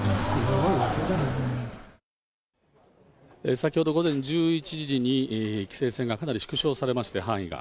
先ほど午前１１時に、規制線がかなり縮小されまして、範囲が。